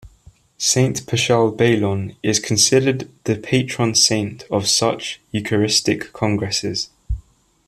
Saint Paschal Baylon is considered the Patron Saint of such Eucharistic Congresses.